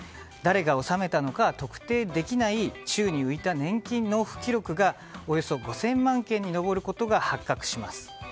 誰が納めたのか特定できない宙に浮いた年金納付記録がおよそ５０００万件に上ることが発覚します。